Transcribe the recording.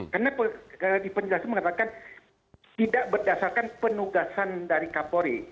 karena di penjelasan mengatakan tidak berdasarkan penugasan dari kori